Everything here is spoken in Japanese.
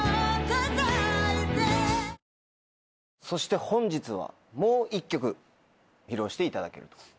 そして本日はもう１曲披露していただけると。